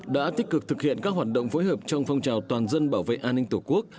đã tích cực thực hiện các hoạt động phối hợp trong phong trào toàn dân bảo vệ an ninh tổ quốc